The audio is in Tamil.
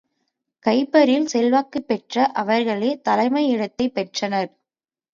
கைபரில் செல்வாக்குப் பெற்ற அவர்களே தலைமை இடத்தைப் பெற்றனர்.